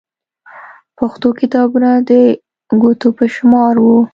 پښتو کتابونه د ګوتو په شمار وو.